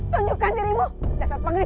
tunjukkan dirimu dhaplabamu